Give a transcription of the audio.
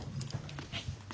はい。